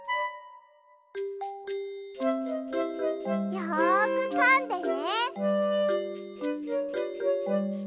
よくかんでね。